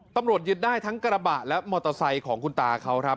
ตำรวจยึดได้ทั้งกระบะและมอเตอร์ไซค์ของคุณตาเขาครับ